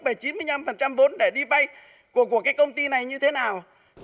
chín mươi năm phần trăm vốn để đi vay của cái công ty này như thế nào